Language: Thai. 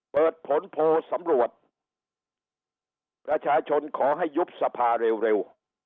เปิดผลโพลสำรวจประชาชนขอให้ยุบสภาเร็ว